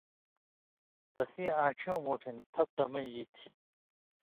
تسِیں آنڇھیُوں مُوٹھیُوں تھپ تَمئ اے تھی۔